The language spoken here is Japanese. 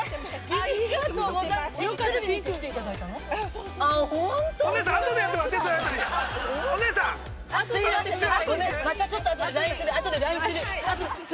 ありがとうございます。